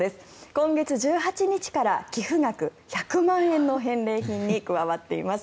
今月１８日から寄付額１００万円の返礼品に加わっています。